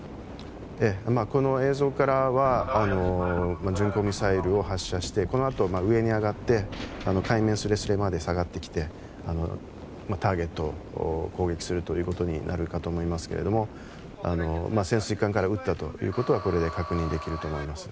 この映像からは巡航ミサイルを発射して、このあと上に上がって海面すれすれまで下がってきてターゲットを攻撃するということになるかと思いますが潜水艦から撃ったということはこれで確認できると思います。